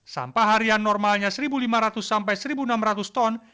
sampah harian normalnya satu lima ratus sampai satu enam ratus ton